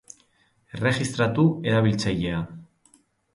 Erregistratu erabiltzailea.